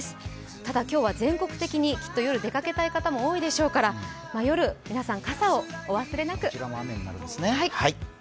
ただ今日は全国的に、きっと夜、出かけたい方も多いでしょうから夜、皆さん、傘をお忘れなく。